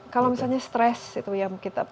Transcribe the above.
kalau misalnya stres itu yang kita